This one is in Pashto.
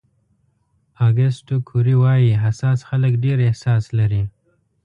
اوګسټو کوري وایي حساس خلک ډېر احساس لري.